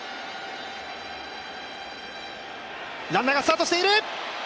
ランナーがスタートしている。